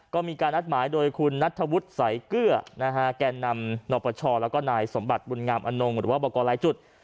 ก็มีการนัดหมายโดยคุณนัทธวุฒิสายเกลือนะฮะแก่นำนปชแล้วก็นายสมบัติบุญงามอนงหรือว่าบอกกรหลายจุด